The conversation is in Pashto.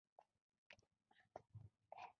دا اعتصاب د کارګرانو د کم مزد په غبرګون کې و.